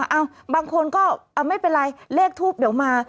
บางคนก็ไม่เป็นไรเลขทูปเดี๋ยวมา